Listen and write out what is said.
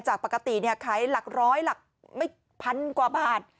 จากปกติขายหลักร้อยหลักไม่พันกว่าบาท